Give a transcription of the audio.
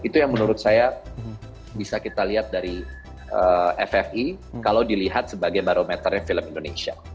itu yang menurut saya bisa kita lihat dari ffi kalau dilihat sebagai barometernya film indonesia